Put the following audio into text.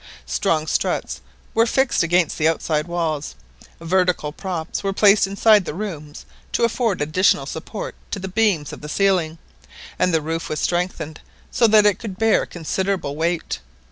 Strong struts were fixed against the outside walls, vertical props were placed inside the rooms to afford additional support to the beams of the ceiling, and the roof was strengthened so that it could bear a considerable weight.